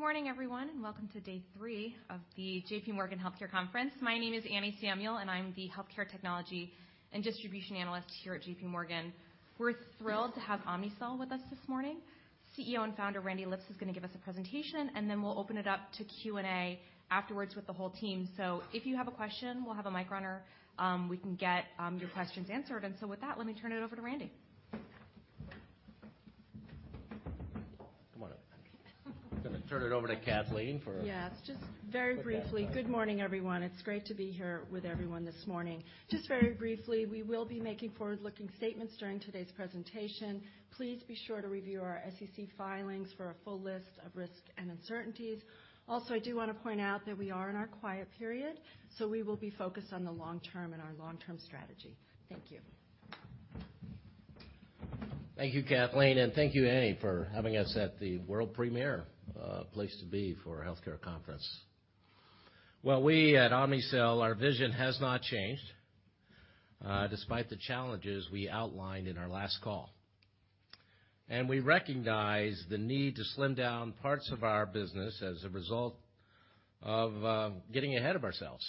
Good morning, everyone, welcome to day three of the JPMorgan Healthcare Conference. My name is Anne Samuel, I'm the healthcare technology and distribution analyst here at JPMorgan. We're thrilled to have Omnicell with us this morning. CEO and Founder, Randy Lipps, is gonna give us a presentation, then we'll open it up to Q&A afterwards with the whole team. If you have a question, we'll have a mic runner, we can get your questions answered. With that, let me turn it over to Randy. Come on up. I'm gonna turn it over to Kathleen. Yes. Just very briefly. Good morning, everyone. It's great to be here with everyone this morning. Just very briefly, we will be making forward-looking statements during today's presentation. Please be sure to review our SEC filings for a full list of risks and uncertainties. I do wanna point out that we are in our quiet period, so we will be focused on the long term and our long-term strategy. Thank you. Thank you, Kathleen, and thank you, Annie, for having us at the world premiere place to be for a Healthcare Conference. Well, we at Omnicell, our vision has not changed, despite the challenges we outlined in our last call. We recognize the need to slim down parts of our business as a result of getting ahead of ourselves,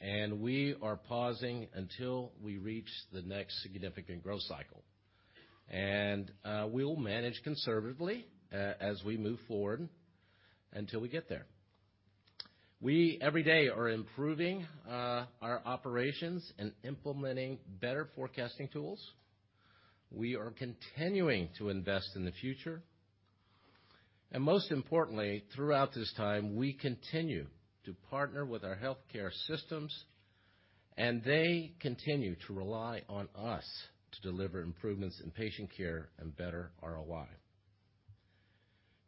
and we are pausing until we reach the next significant growth cycle. We'll manage conservatively as we move forward until we get there. We, every day, are improving our operations and implementing better forecasting tools. We are continuing to invest in the future. Most importantly, throughout this time, we continue to partner with our healthcare systems, and they continue to rely on us to deliver improvements in patient care and better ROI.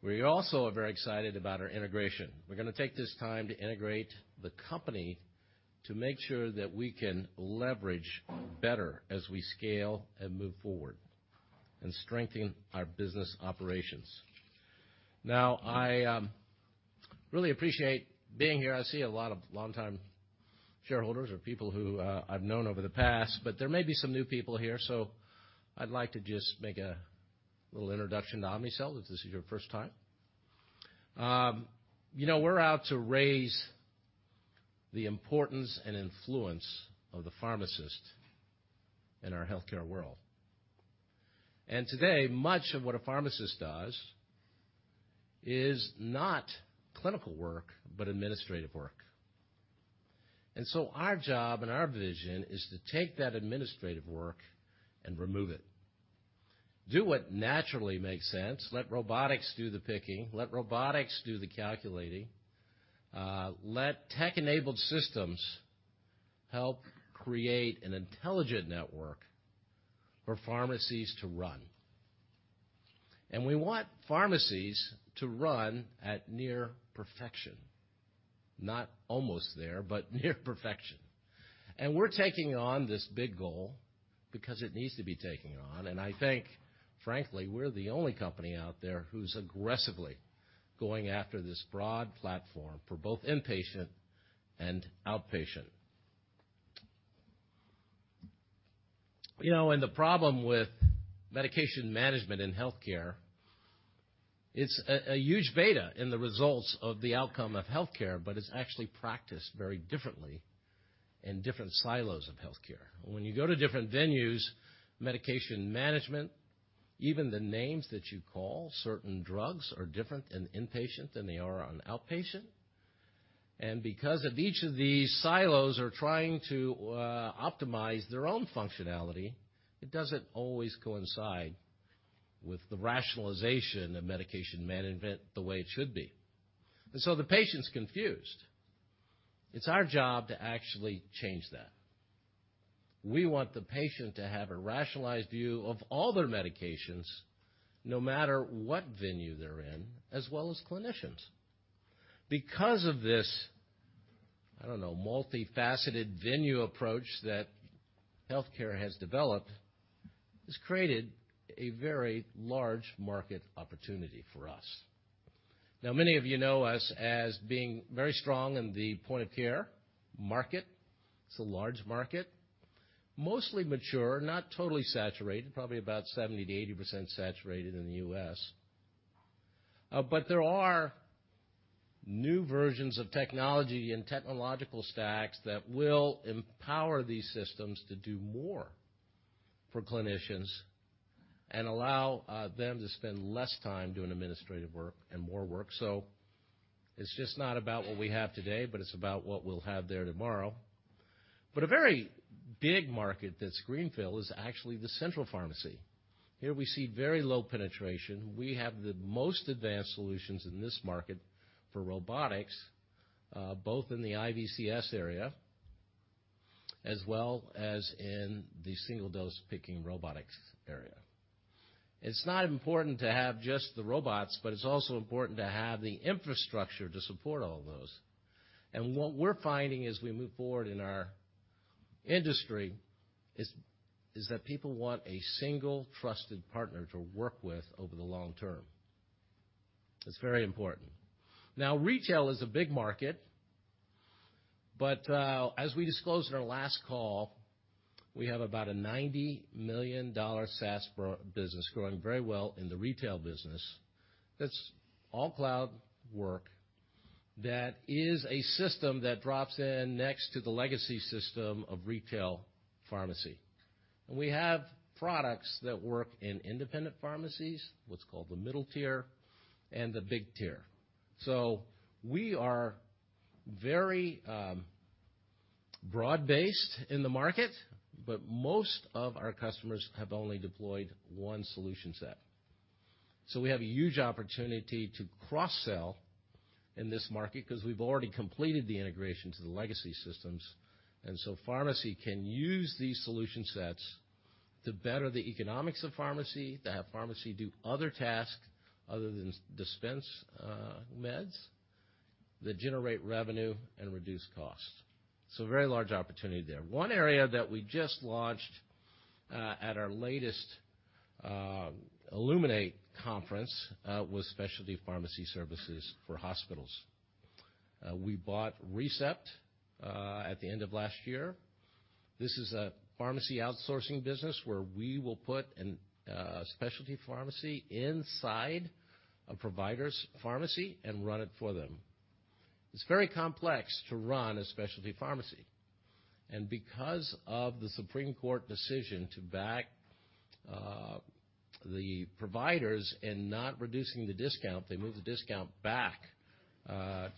We also are very excited about our integration. We're gonna take this time to integrate the company to make sure that we can leverage better as we scale and move forward and strengthen our business operations. I really appreciate being here. I see a lot of long-time shareholders or people who I've known over the past, but there may be some new people here, so I'd like to just make a little introduction to Omnicell if this is your first time. You know, we're out to raise the importance and influence of the pharmacist in our healthcare world. Today, much of what a pharmacist does is not clinical work but administrative work. Our job and our vision is to take that administrative work and remove it. Do what naturally makes sense. Let robotics do the picking, let robotics do the calculating, let tech-enabled systems help create an intelligent network for pharmacies to run. We want pharmacies to run at near perfection. Not almost there, but near perfection. We're taking on this big goal because it needs to be taken on. I think, frankly, we're the only company out there who's aggressively going after this broad platform for both inpatient and outpatient. You know, the problem with medication management in healthcare, it's a huge beta in the results of the outcome of healthcare, but it's actually practiced very differently in different silos of healthcare. When you go to different venues, medication management, even the names that you call certain drugs are different in inpatient than they are on outpatient. Because of each of these silos are trying to optimize their own functionality, it doesn't always coincide with the rationalization of medication management the way it should be. The patient's confused. It's our job to actually change that. We want the patient to have a rationalized view of all their medications no matter what venue they're in, as well as clinicians. Because of this, I don't know, multifaceted venue approach that healthcare has developed, it's created a very large market opportunity for us. Many of you know us as being very strong in the point of care market. It's a large market. Mostly mature, not totally saturated, probably about 70%-80% saturated in the U.S. There are new versions of technology and technological stacks that will empower these systems to do more for clinicians and allow them to spend less time doing administrative work and more work. It's just not about what we have today, but it's about what we'll have there tomorrow. A very big market that's greenfield is actually the central pharmacy. Here we see very low penetration. We have the most advanced solutions in this market for robotics, both in the IVCS area as well as in the single dose picking robotics area. It's not important to have just the robots, but it's also important to have the infrastructure to support all those. What we're finding as we move forward in our industry is that people want a single trusted partner to work with over the long term. It's very important. retail is a big market. As we disclosed in our last call, we have about a $90 million SaaS pro-business growing very well in the retail business. That's all cloud work that is a system that drops in next to the legacy system of retail pharmacy. We have products that work in independent pharmacies, what's called the middle tier and the big tier. We are very broad-based in the market, but most of our customers have only deployed one solution set. We have a huge opportunity to cross-sell in this market because we've already completed the integration to the legacy systems. pharmacy can use these solution sets to better the economics of pharmacy, to have pharmacy do other tasks other than dispense meds that generate revenue and reduce costs. very large opportunity there. One area that we just launched at our latest Illuminate conference was specialty pharmacy services for hospitals. We bought ReCept at the end of last year. This is a pharmacy outsourcing business where we will put an a specialty pharmacy inside a provider's pharmacy and run it for them. It's very complex to run a specialty pharmacy. Because of the Supreme Court decision to back the providers in not reducing the discount, they moved the discount back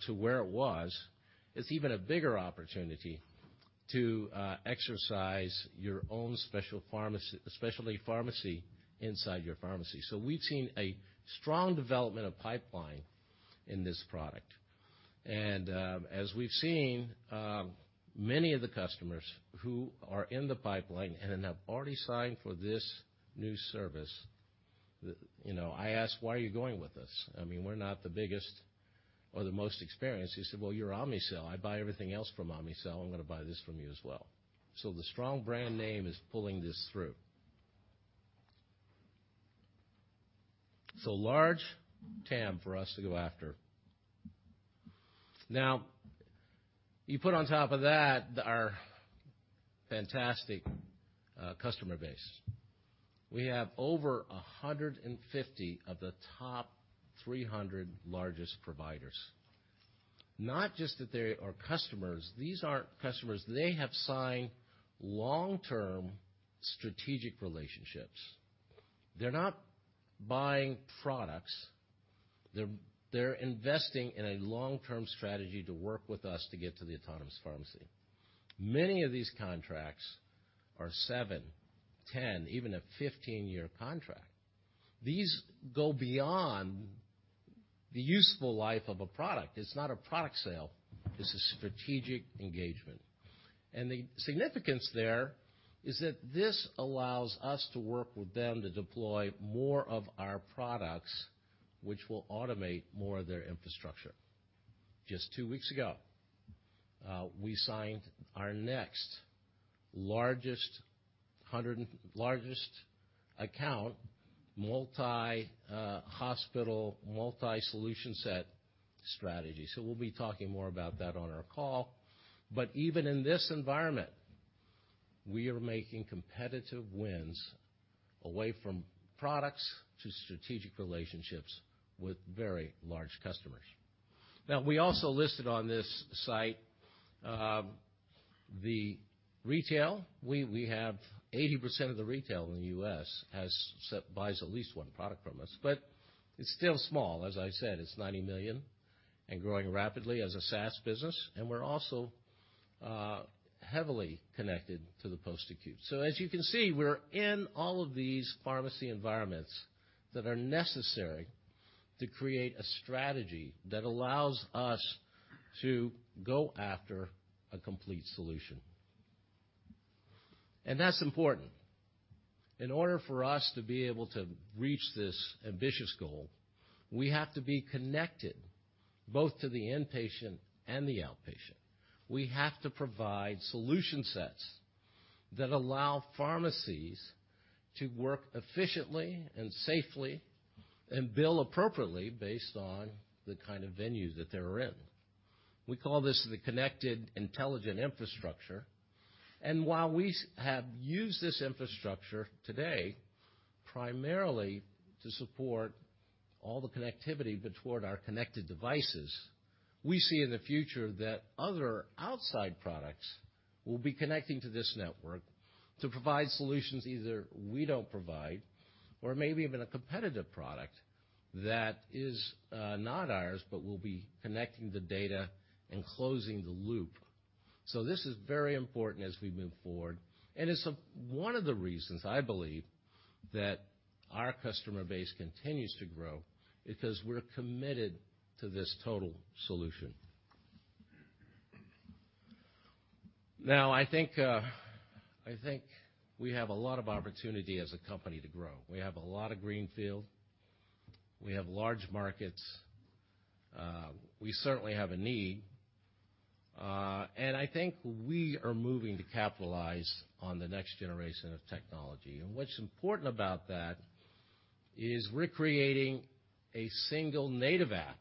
to where it was, it's even a bigger opportunity to exercise your own specialty pharmacy inside your pharmacy. We've seen a strong development of pipeline in this product. As we've seen, many of the customers who are in the pipeline and have already signed for this new service, you know, I ask, "Why are you going with us? I mean, we're not the biggest or the most experienced." He said, "Well, you're Omnicell. I buy everything else from Omnicell. I'm gonna buy this from you as well." The strong brand name is pulling this through. Large TAM for us to go after. You put on top of that our fantastic customer base. We have over 150 of the top 300 largest providers. Not just that they are customers, these aren't customers, they have signed long-term strategic relationships. They're not buying products, they're investing in a long-term strategy to work with us to get to the Autonomous Pharmacy. Many of these contracts are seven, 10, even a 15-year contract. These go beyond the useful life of a product. It's not a product sale. It's a strategic engagement. The significance there is that this allows us to work with them to deploy more of our products, which will automate more of their infrastructure. Just two weeks ago, we signed our next largest account, multi hospital, multi-solution set strategy. We'll be talking more about that on our call. Even in this environment, we are making competitive wins away from products to strategic relationships with very large customers. We also listed on this site, the retail. We have 80% of the retail in the U.S. buys at least one product from us. It's still small. As I said, it's $90 million and growing rapidly as a SaaS business, and we're also heavily connected to the post-acute. As you can see, we're in all of these pharmacy environments that are necessary to create a strategy that allows us to go after a complete solution. That's important. In order for us to be able to reach this ambitious goal, we have to be connected both to the inpatient and the outpatient. We have to provide solution sets that allow pharmacies to work efficiently and safely and bill appropriately based on the kind of venues that they're in. We call this the connected intelligent infrastructure. While we have used this infrastructure today primarily to support all the connectivity toward our connected devices, we see in the future that other outside products will be connecting to this network to provide solutions either we don't provide or maybe even a competitive product that is not ours, but will be connecting the data and closing the loop. This is very important as we move forward, and it's one of the reasons I believe that our customer base continues to grow because we're committed to this total solution. I think, I think we have a lot of opportunity as a company to grow. We have a lot of greenfield. We have large markets. We certainly have a need. I think we are moving to capitalize on the next generation of technology. What's important about that is recreating a single native app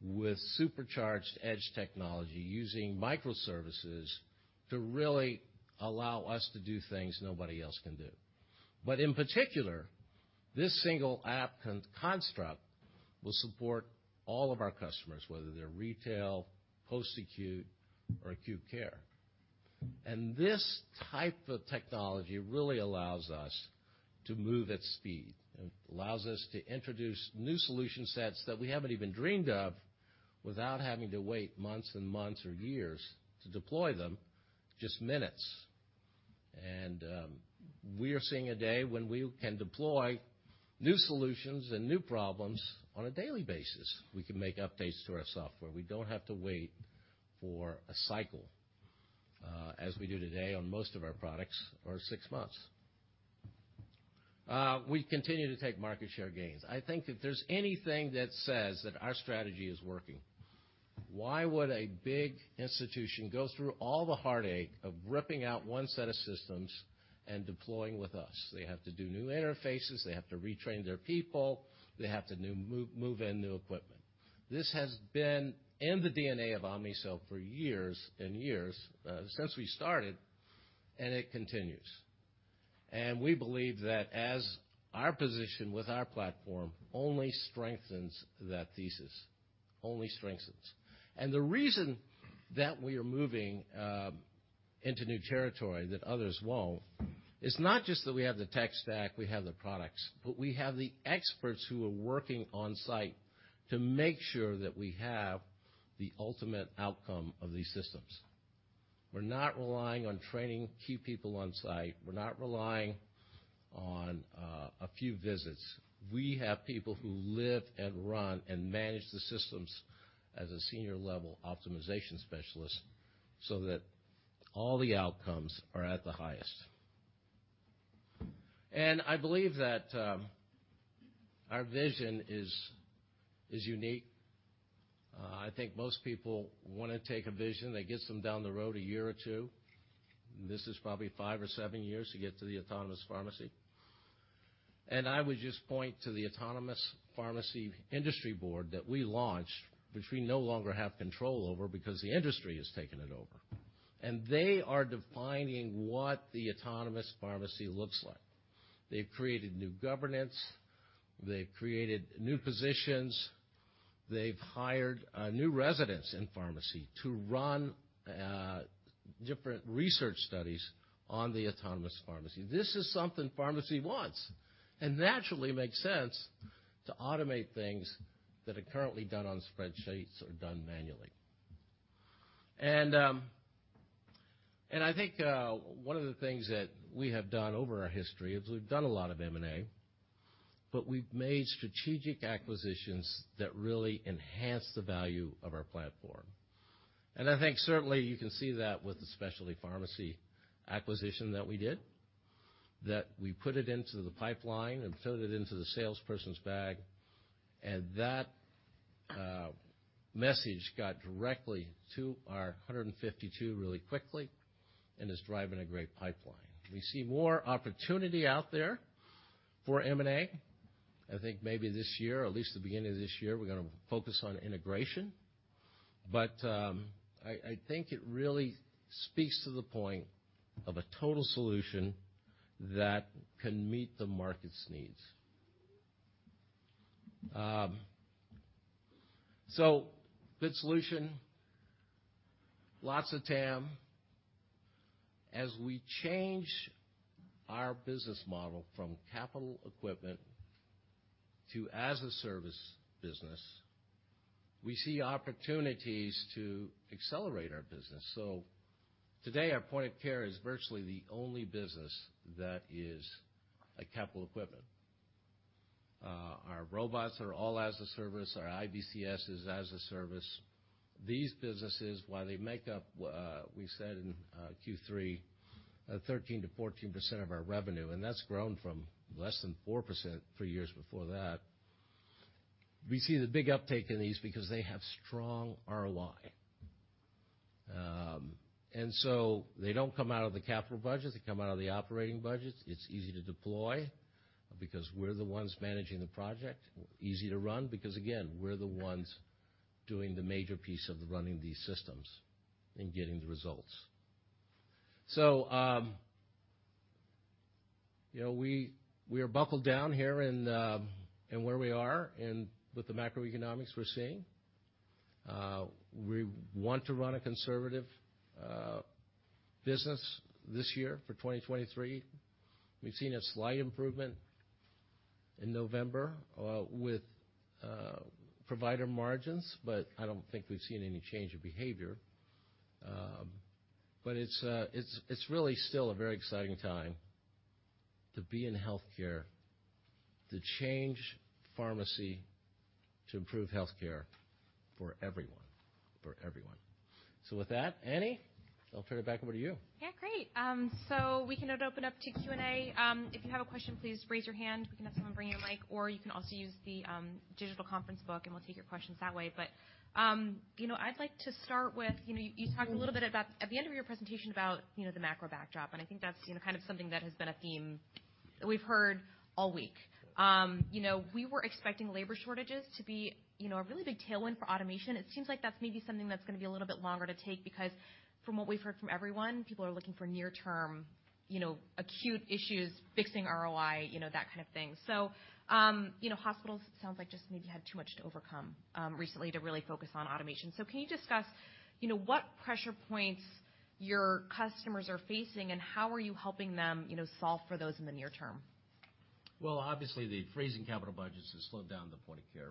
with supercharged edge technology using microservices to really allow us to do things nobody else can do. In particular, this single app construct will support all of our customers, whether they're retail, post-acute or acute care. This type of technology really allows us to move at speed and allows us to introduce new solution sets that we haven't even dreamed of without having to wait months and months or years to deploy them, just minutes. We are seeing a day when we can deploy new solutions and new problems on a daily basis. We can make updates to our software. We don't have to wait for a cycle, as we do today on most of our products, or six months. We continue to take market share gains. I think if there's anything that says that our strategy is working, why would a big institution go through all the heartache of ripping out one set of systems and deploying with us? They have to do new interfaces. They have to retrain their people. They have to move in new equipment. This has been in the DNA of Omnicell for years since we started, it continues. We believe that as our position with our platform only strengthens that thesis, only strengthens. The reason that we are moving into new territory that others won't, is not just that we have the tech stack, we have the products, but we have the experts who are working on site to make sure that we have the ultimate outcome of these systems. We're not relying on training key people on site. We're not relying on a few visits. We have people who live and run and manage the systems as a senior-level optimization specialist so that all the outcomes are at the highest. I believe that our vision is unique. I think most people wanna take a vision that gets them down the road a year or two. This is probably five or seven years to get to the Autonomous Pharmacy. I would just point to the Autonomous Pharmacy Advisory Board that we launched, which we no longer have control over because the industry has taken it over. They are defining what the Autonomous Pharmacy looks like. They've created new governance. They've created new positions. They've hired new residents in pharmacy to run different research studies on the Autonomous Pharmacy. This is something pharmacy wants. Naturally it makes sense to automate things that are currently done on spreadsheets or done manually. I think one of the things that we have done over our history is we've done a lot of M&A, but we've made strategic acquisitions that really enhance the value of our platform. I think certainly you can see that with the specialty pharmacy acquisition that we did, that we put it into the pipeline and filled it into the salesperson's bag, and that message got directly to our 152 really quickly and is driving a great pipeline. We see more opportunity out there for M&A. I think maybe this year, or at least the beginning of this year, we're gonna focus on integration. I think it really speaks to the point of a total solution that can meet the market's needs. So good solution, lots of TAM. As we change our business model from capital equipment to as a service business, we see opportunities to accelerate our business. Today, our point of care is virtually the only business that is a capital equipment. Our robots are all as a service. Our IVCS is as a service. These businesses, while they make up, we said in Q3, 13%-14% of our revenue, and that's grown from less than 4% three years before that. We see the big uptake in these because they have strong ROI. They don't come out of the capital budget. They come out of the operating budget. It's easy to deploy because we're the ones managing the project. Easy to run because again, we're the ones doing the major piece of the running these systems and getting the results. You know, we are buckled down here in where we are and with the macroeconomics we're seeing. We want to run a conservative business this year for 2023. We've seen a slight improvement in November with provider margins, but I don't think we've seen any change of behavior. It's, it's really still a very exciting time to be in healthcare, to change pharmacy, to improve healthcare for everyone. For everyone. With that, Annie, I'll turn it back over to you. Yeah, great. We can now open up to Q&A. If you have a question, please raise your hand. We can have someone bring you a mic, or you can also use the digital conference book, and we'll take your questions that way. You know, I'd like to start with, you know, you talked a little bit about, at the end of your presentation, about, you know, the macro backdrop, and I think that's, you know, kind of something that has been a theme we've heard all week. You know, we were expecting labor shortages to be, you know, a really big tailwind for automation. It seems like that's maybe something that's gonna be a little bit longer to take because from what we've heard from everyone, people are looking for near-term, you know, acute issues, fixing ROI, you know, that kind of thing. You know, hospitals, it sounds like just maybe had too much to overcome recently to really focus on automation. Can you discuss, you know, what pressure points your customers are facing and how are you helping them, you know, solve for those in the near term? Well, obviously the freezing capital budgets has slowed down the point of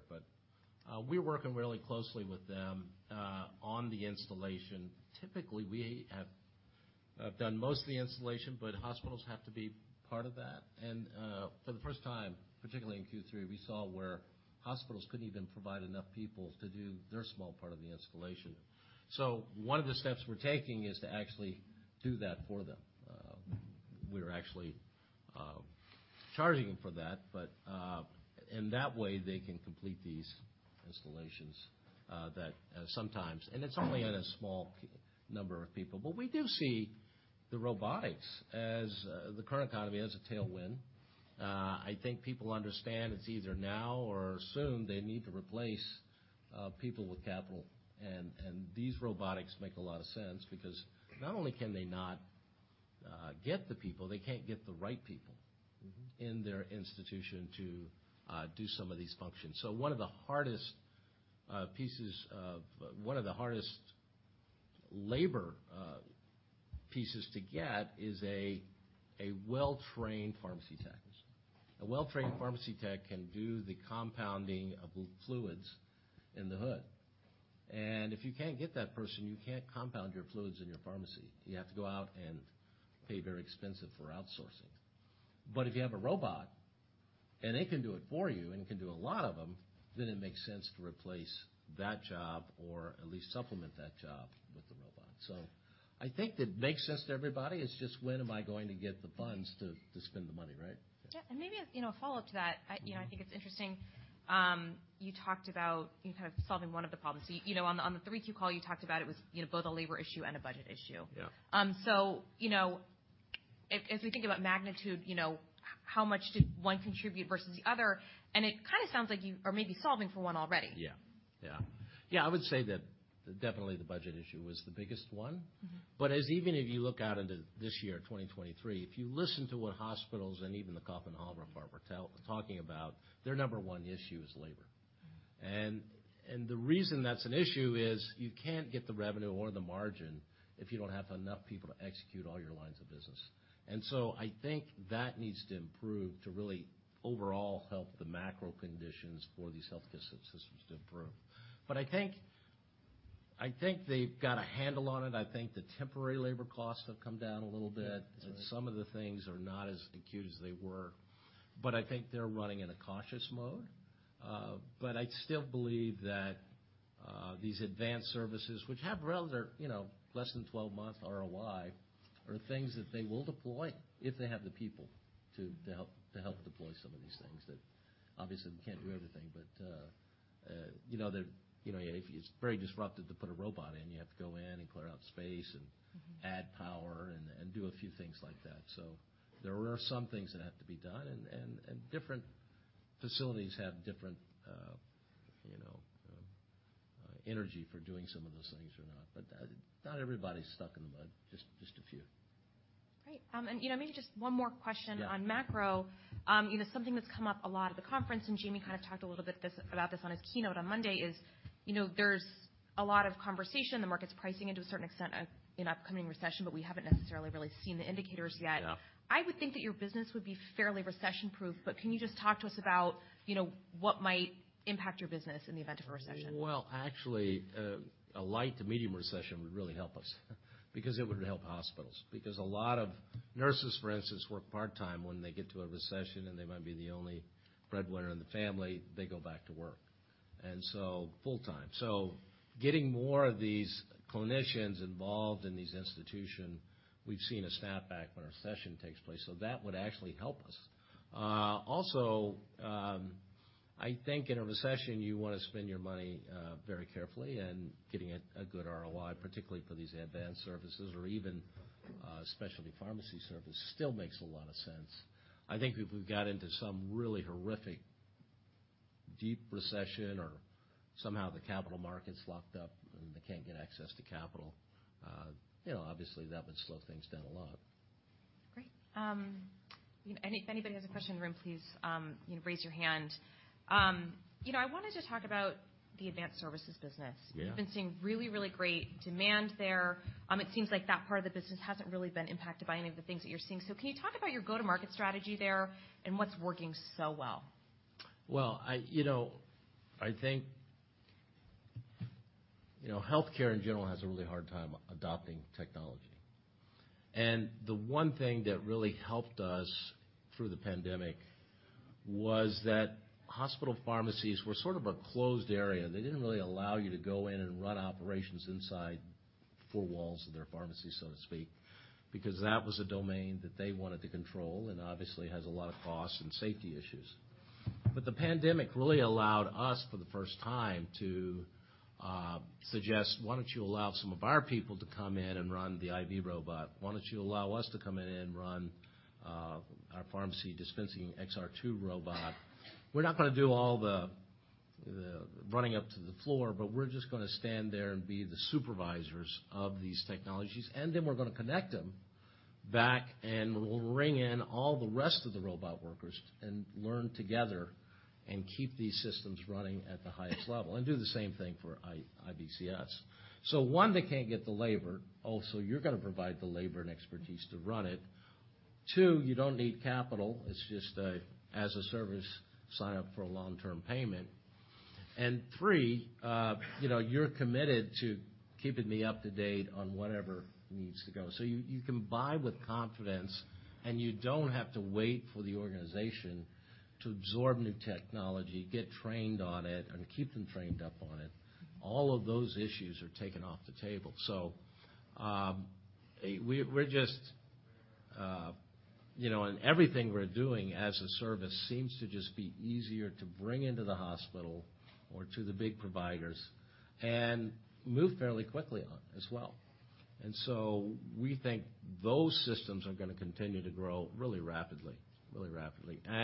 care, but we're working really closely with them on the installation. Typically, we have done most of the installation, but hospitals have to be part of that. For the first time, particularly in Q3, we saw where hospitals couldn't even provide enough people to do their small part of the installation. One of the steps we're taking is to actually do that for them. We're actually charging them for that, but. In that way, they can complete these installations that sometimes. It's only in a small number of people. We do see the robotics as the current economy as a tailwind. I think people understand it's either now or soon they need to replace people with capital. These robotics make a lot of sense because not only can they not get the people, they can't get the right people. Mm-hmm. in their institution to do some of these functions. One of the hardest labor pieces to get is a well-trained pharmacy technician. A well-trained pharmacy tech can do the compounding of fluids in the hood. If you can't get that person, you can't compound your fluids in your pharmacy. You have to go out and pay very expensive for outsourcing. If you have a robot and it can do it for you and can do a lot of them, then it makes sense to replace that job or at least supplement that job with the robot. I think that makes sense to everybody. It's just when am I going to get the funds to spend the money, right? Yeah. Maybe as, you know, a follow-up to that, I, you know, I think it's interesting, you talked about you kind of solving one of the problems. You, you know, on the, on the 3Q call, you talked about it was, you know, both a labor issue and a budget issue. Yeah. you know, if we think about magnitude, you know, how much did one contribute versus the other? It kinda sounds like you are maybe solving for one already. Yeah, I would say that definitely the budget issue was the biggest one. Mm-hmm. As even if you look out into this year, 2023, if you listen to what hospitals and even the Cowen are talking about, their number one issue is labor. Mm-hmm. The reason that's an issue is you can't get the revenue or the margin if you don't have enough people to execute all your lines of business. I think that needs to improve to really overall help the macro conditions for these healthcare systems to improve. I think they've got a handle on it. I think the temporary labor costs have come down a little bit. Yeah, right. Some of the things are not as acute as they were, but I think they're running in a cautious mode. I still believe that these advanced services, which have rather, you know, less than 12 months ROI, are things that they will deploy if they have the people to help deploy some of these things that obviously we can't do everything. You know. It's very disruptive to put a robot in. You have to go in and clear out space. Mm-hmm. add power and do a few things like that. There are some things that have to be done and different facilities have different, you know, energy for doing some of those things or not. Not everybody's stuck in the mud, just a few. Great. You know, maybe just one more question? Yeah. -on macro. you know, something that's come up a lot at the conference, and Jamie kind of talked a little bit about this on his keynote on Monday, is, you know, there's a lot of conversation, the market's pricing it to a certain extent of an upcoming recession, but we haven't necessarily really seen the indicators yet. Yeah. I would think that your business would be fairly recession-proof, but can you just talk to us about, you know, what might impact your business in the event of a recession? Well, actually, a light to medium recession would really help us because it would help hospitals. Because a lot of nurses, for instance, work part-time. When they get to a recession and they might be the only breadwinner in the family, they go back to work. full-time. Getting more of these clinicians involved in these institution, we've seen a snapback when a recession takes place. That would actually help us. Also, I think in a recession, you wanna spend your money very carefully and getting a good ROI, particularly for these advanced services or even specialty pharmacy service still makes a lot of sense. If we got into some really horrific deep recession or somehow the capital market's locked up and they can't get access to capital, you know, obviously, that would slow things down a lot. Great. you know, if anybody has a question in the room, please, you know, raise your hand. you know, I wanted to talk about the advanced services business. Yeah. We've been seeing really great demand there. It seems like that part of the business hasn't really been impacted by any of the things that you're seeing. Can you talk about your go-to-market strategy there and what's working so well? I, you know, I think, you know, healthcare in general has a really hard time adopting technology. The one thing that really helped us through the pandemic was that hospital pharmacies were sort of a closed area. They didn't really allow you to go in and run operations inside four walls of their pharmacy, so to speak, because that was a domain that they wanted to control and obviously has a lot of costs and safety issues. The pandemic really allowed us, for the first time, to suggest why don't you allow some of our people to come in and run the IV robot? Why don't you allow us to come in and run our pharmacy dispensing XR2 robot? We're not gonna do all the running up to the floor, but we're just gonna stand there and be the supervisors of these technologies, and then we're gonna connect them back, and we'll ring in all the rest of the robot workers and learn together and keep these systems running at the highest level, and do the same thing for IVCS. One, they can't get the labor. Also, you're gonna provide the labor and expertise to run it. Two, you don't need capital. It's just a, as a service sign-up for a long-term payment. Three, you know, you're committed to keeping me up-to-date on whatever needs to go. You, you can buy with confidence, and you don't have to wait for the organization to absorb new technology, get trained on it and keep them trained up on it. All of those issues are taken off the table. You know, everything we're doing as a service seems to just be easier to bring into the hospital or to the big providers and move fairly quickly on as well. We think those systems are gonna continue to grow really rapidly. You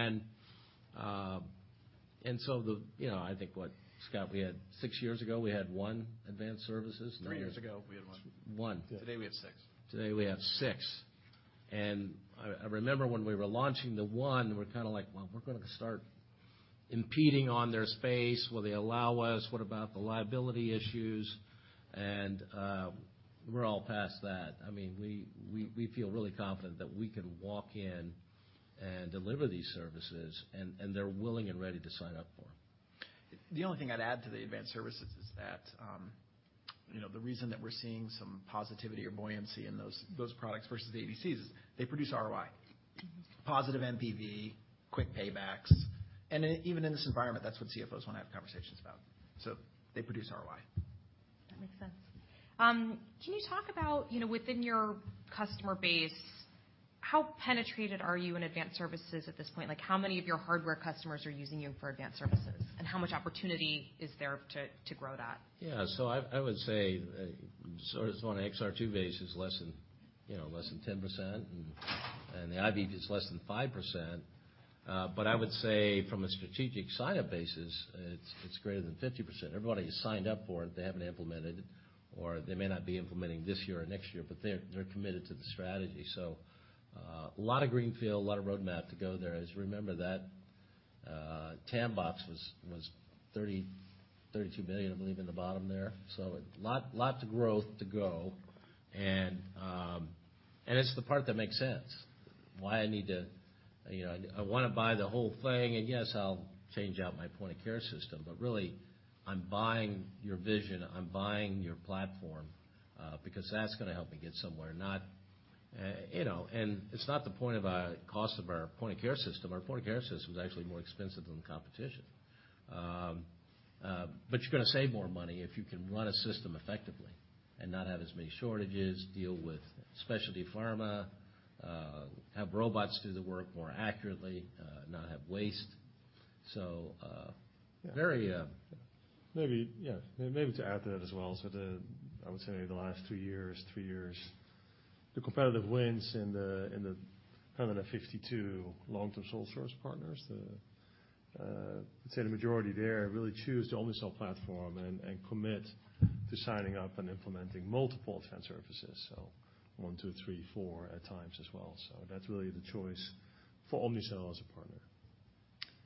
know, I think what Scott, we had six years ago, we had one advanced services. Three years ago we had one. One. Today we have six. Today we have six. I remember when we were launching the one, we're kinda like, "Well, we're gonna start impeding on their space. Will they allow us? What about the liability issues?" we're all past that. I mean, we feel really confident that we can walk in and deliver these services, and they're willing and ready to sign up for. The only thing I'd add to the advanced services is that, you know, the reason that we're seeing some positivity or buoyancy in those products versus the IVCs is they produce ROI. Mm-hmm. Positive NPV, quick paybacks. Even in this environment, that's what CFOs wanna have conversations about. They produce ROI. That makes sense. Can you talk about, you know, within your customer base, how penetrated are you in advanced services at this point? Like, how many of your hardware customers are using you for advanced services? How much opportunity is there to grow that? Yeah. I would say, sort of on XR2 base is less than, you know, less than 10%, and the IV is less than 5%. I would say from a strategic sign-up basis, it's greater than 50%. Everybody has signed up for it. They haven't implemented or they may not be implementing this year or next year, but they're committed to the strategy. A lot of greenfield, a lot of roadmap to go there, as you remember that TAM box was $30 billion-$32 billion, I believe, in the bottom there. A lot to growth to grow. It's the part that makes sense. Why I need to, you know, I wanna buy the whole thing and yes, I'll change out my point of care system. Really, I'm buying your vision, I'm buying your platform, because that's gonna help me get somewhere, not, you know. It's not the point of our cost of our point of care system. Our point of care system is actually more expensive than the competition. But you're gonna save more money if you can run a system effectively and not have as many shortages, deal with specialty pharma, have robots do the work more accurately, not have waste. Very. Maybe, yeah. Maybe to add to that as well. The, I would say the last two years, three years, the competitive wins in the, in the 152 long-term sole source partners. The, I'd say the majority there really choose the Omnicell platform and commit to signing up and implementing multiple advanced services. One, two, three, four at times as well. That's really the choice for Omnicell as a partner.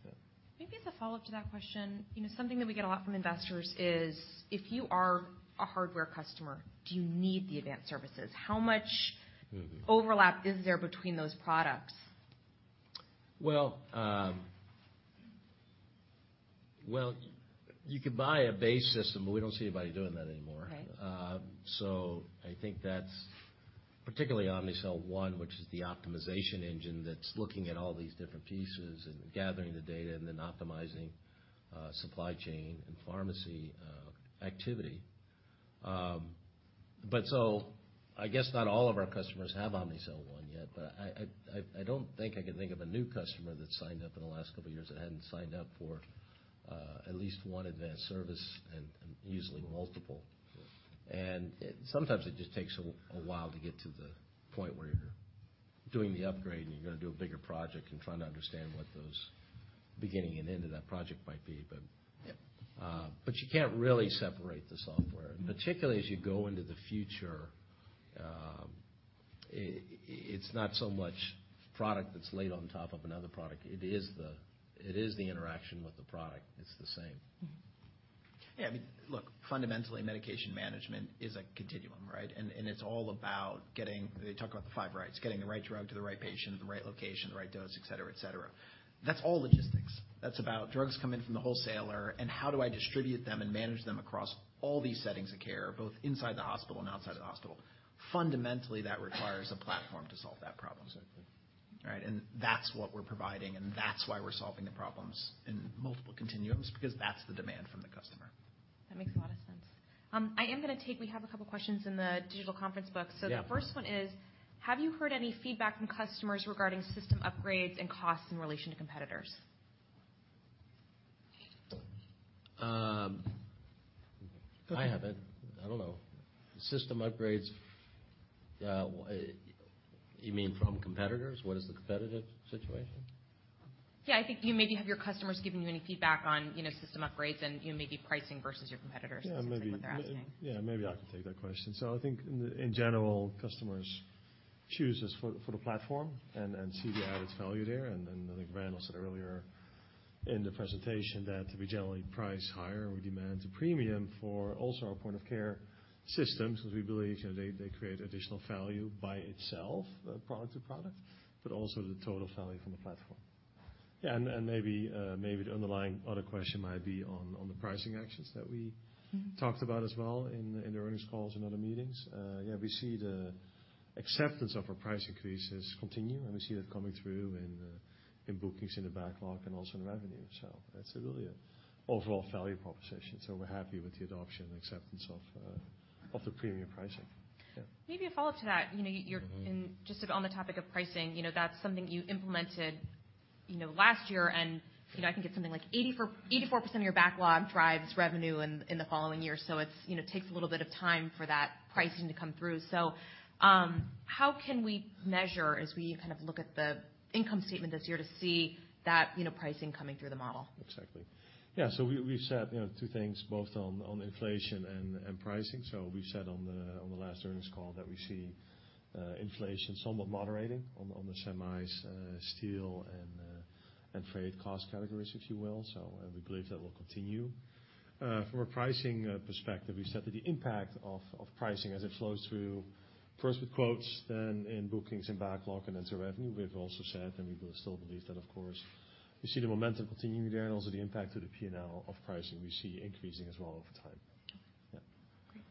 Yeah. Maybe as a follow-up to that question. You know, something that we get a lot from investors is, if you are a hardware customer, do you need the advanced services? How much. Mm-hmm. overlap is there between those products? Well, you could buy a base system, but we don't see anybody doing that anymore. Right. I think that's particularly Omnicell One, which is the optimization engine that's looking at all these different pieces and gathering the data and then optimizing supply chain and pharmacy activity. I guess not all of our customers have Omnicell One yet, but I don't think I can think of a new customer that signed up in the last couple of years that hadn't signed up for at least one advanced service and usually multiple. Yes. Sometimes it just takes a while to get to the point where you're doing the upgrade and you're gonna do a bigger project and trying to understand what those beginning and end of that project might be. Yeah. You can't really separate the software. Mm-hmm. Particularly as you go into the future, it's not so much product that's laid on top of another product. It is the interaction with the product. It's the same. Mm-hmm. Yeah. I mean, look, fundamentally medication management is a continuum, right? It's all about getting... They talk about the five rights, getting the right drug to the right patient at the right location, the right dose, etc, etc. That's all logistics. That's about drugs coming from the wholesaler and how do I distribute them and manage them across all these settings of care, both inside the hospital and outside of the hospital. Fundamentally, that requires a platform to solve that problem set. Right? That's what we're providing, and that's why we're solving the problems in multiple continuums because that's the demand from the customer. That makes a lot of sense. I am gonna take, we have a couple questions in the digital conference book. Yeah. The first one is, have you heard any feedback from customers regarding system upgrades and costs in relation to competitors? I haven't. I don't know. System upgrades, you mean from competitors? What is the competitive situation? I think do you maybe have your customers giving you any feedback on, you know, system upgrades and, you know, maybe pricing versus your competitors? Yeah, maybe- Is sort of what they're asking. Yeah, maybe I can take that question. I think in general, customers choose us for the platform and see the added value there. I think Randall said earlier in the presentation that we generally price higher, we demand a premium for also our point of care systems, because we believe, you know, they create additional value by itself, product to product, but also the total value from the platform. Yeah, maybe the underlying other question might be on the pricing actions that we Mm-hmm... talked about as well in the earnings calls and other meetings. Yeah, we see the acceptance of our price increases continue, and we see that coming through in bookings, in the backlog, and also in revenue. That's really an overall value proposition. We're happy with the adoption and acceptance of the premium pricing. Yeah. Maybe a follow-up to that. You know. Mm-hmm. Just on the topic of pricing, you know, that's something you implemented, you know, last year. I think it's something like 84% of your backlog drives revenue in the following year. It's, you know, takes a little bit of time for that pricing to come through. How can we measure as we kind of look at the income statement this year to see that, you know, pricing coming through the model? Exactly. Yeah. We, we've said, you know, two things both on inflation and pricing. We said on the last earnings call that we see inflation somewhat moderating on the semis, steel and freight cost categories, if you will. We believe that will continue. From a pricing perspective, we said that the impact of pricing as it flows through first with quotes, then in bookings and backlog and into revenue, we've also said, and we will still believe that of course. We see the momentum continuing there and also the impact of the P&L of pricing we see increasing as well over time. Yeah. Great.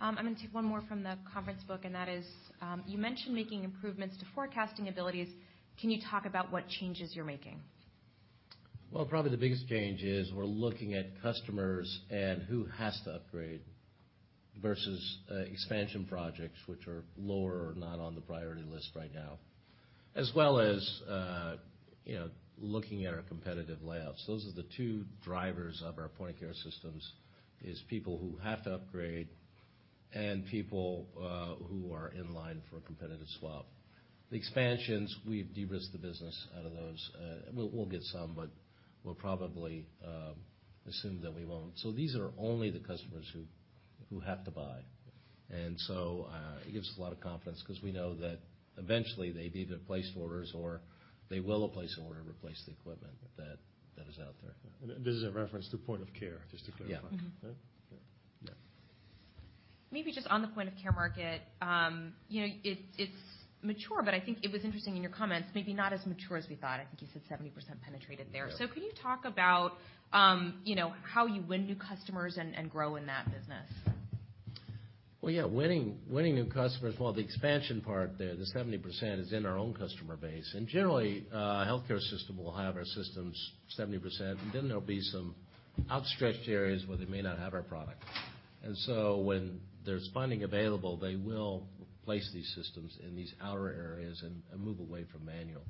I'm gonna take one more from the conference book, and that is, you mentioned making improvements to forecasting abilities. Can you talk about what changes you're making? Well, probably the biggest change is we're looking at customers and who has to upgrade versus expansion projects which are lower or not on the priority list right now. As well as, you know, looking at our competitive layouts. Those are the two drivers of our point-of-care systems, is people who have to upgrade and people who are in line for a competitive swap. The expansions, we've de-risked the business out of those. We'll get some, but we'll probably assume that we won't. These are only the customers who have to buy. It gives a lot of confidence because we know that eventually they've either placed orders or they will place an order to replace the equipment that is out there. This is in reference to point of care, just to clarify. Yeah. Mm-hmm. Okay? Yeah. Yeah. Maybe just on the point of care market, you know, it's mature, but I think it was interesting in your comments, maybe not as mature as we thought. I think you said 70% penetrated there. Yeah. Can you talk about, you know, how you win new customers and grow in that business? Well, yeah, winning new customers. The expansion part there, the 70% is in our own customer base. Generally, a healthcare system will have our systems 70%, and then there'll be some outstretched areas where they may not have our product. When there's funding available, they will place these systems in these outer areas and move away from manual.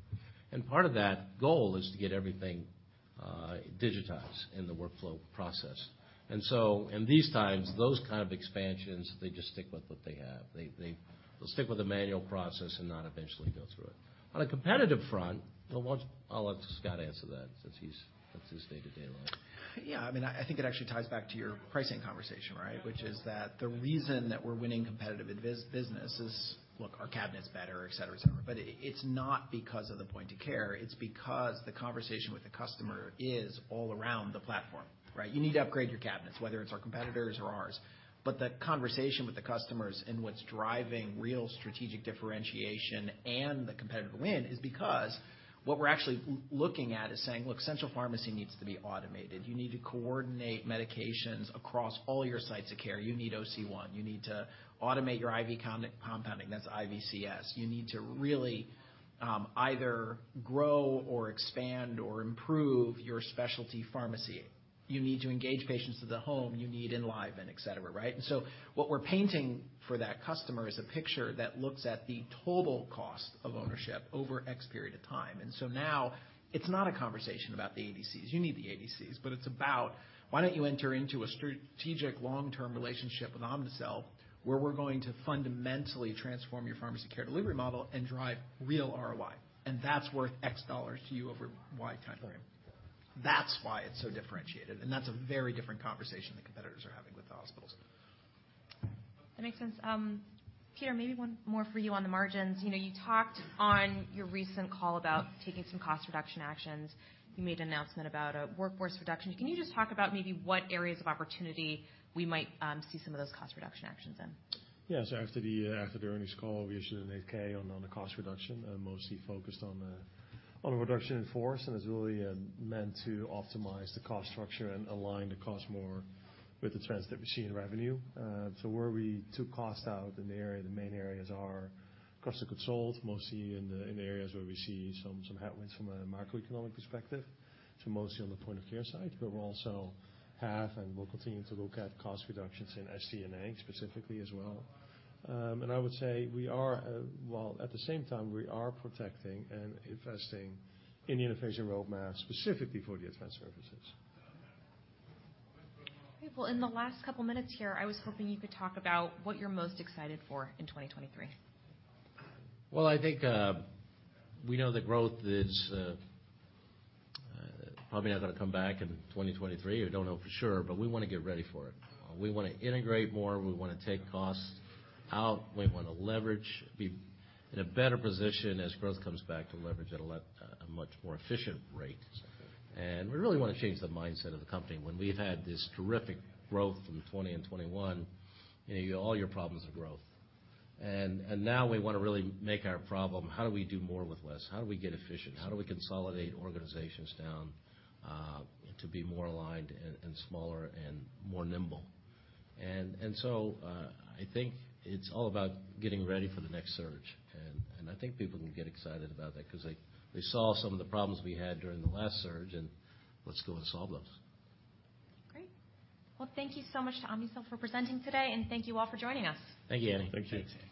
Part of that goal is to get everything digitized in the workflow process. In these times, those kind of expansions, they just stick with what they have. They'll stick with a manual process and not eventually go through it. On a competitive front, I'll let Scott answer that since he's, that's his day-to-day life. Yeah. I mean, I think it actually ties back to your pricing conversation, right? Which is that the reason that we're winning competitive business is, look, our cabinet's better, et cetera, et cetera. It's not because of the point to care. It's because the conversation with the customer is all around the platform, right? You need to upgrade your cabinets, whether it's our competitors or ours. The conversation with the customers and what's driving real strategic differentiation and the competitive win is because what we're actually looking at is saying, "Look, central pharmacy needs to be automated. You need to coordinate medications across all your sites of care. You need OC1. You need to automate your IV compounding. That's IVCS. You need to really, either grow or expand or improve your specialty pharmacy. You need to engage patients to the home. You need Enliven," etc, right? What we're painting for that customer is a picture that looks at the total cost of ownership over X period of time. Now it's not a conversation about the ADCs. You need the ADCs, but it's about why don't you enter into a strategic long-term relationship with Omnicell, where we're going to fundamentally transform your pharmacy care delivery model and drive real ROI, and that's worth X dollars to you over Y time frame. Yeah. That's why it's so differentiated, and that's a very different conversation the competitors are having with the hospitals. That makes sense. Peter, maybe one more for you on the margins. You know, you talked on your recent call about taking some cost reduction actions. You made an announcement about a workforce reduction. Can you just talk about maybe what areas of opportunity we might see some of those cost reduction actions in? Yeah. After the earnings call, we issued an 8-K on the cost reduction, mostly focused on the reduction in force, it's really meant to optimize the cost structure and align the cost more with the trends that we see in revenue. Where we took cost out, the main areas are cost of revenues, mostly in the areas where we see some headwinds from a macroeconomic perspective. Mostly on the point of care side. We also have and will continue to look at cost reductions in SG&A specifically as well. I would say we are, while at the same time, we are protecting and investing in the innovation roadmap, specifically for the Advanced Services. Okay. Well, in the last couple minutes here, I was hoping you could talk about what you're most excited for in 2023? Well, I think, we know the growth is, probably not gonna come back in 2023. We don't know for sure, but we wanna get ready for it. We wanna integrate more. We wanna take costs out. We wanna leverage, be in a better position as growth comes back to leverage at a much more efficient rate. Exactly. We really wanna change the mindset of the company. When we've had this terrific growth from 2020 and 2021, you know, all your problems are growth. Now we wanna really make our problem, how do we do more with less? How do we get efficient? How do we consolidate organizations down to be more aligned and smaller and more nimble? I think it's all about getting ready for the next surge. I think people can get excited about that 'cause they saw some of the problems we had during the last surge and let's go and solve those. Great. Well, thank you so much to Omnicell for presenting today, and thank you all for joining us. Thank you. Thank you. Thanks.